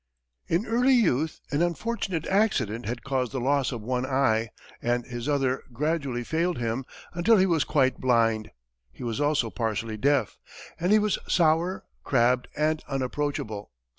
In early youth, an unfortunate accident had caused the loss of one eye, and his other gradually failed him until he was quite blind; he was also partially deaf, and was sour, crabbed and unapproachable.